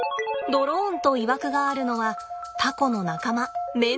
ドローンといわくがあるのはタコの仲間メンダコです。